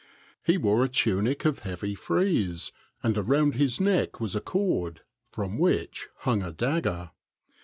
He wore a tunic of heavy frieze, and around his neck was a cord from which hung a dagger.